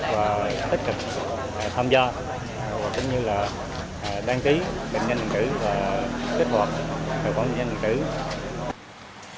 và tích cực tham gia cũng như là đăng ký định danh điện tử và kích hoạt tài khoản định danh điện tử